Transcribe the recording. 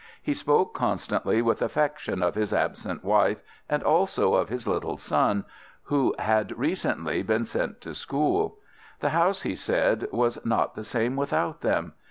He spoke constantly with affection of his absent wife, and also of his little son, who had recently been sent to school. The house, he said, was not the same without them.